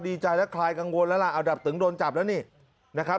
ดีใจแล้วคลายกังวลแล้วล่ะเอาดับตึงโดนจับแล้วนี่นะครับ